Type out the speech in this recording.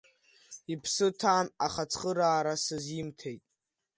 Иԥсы ҭан, аха цхыраара сызимҭеит.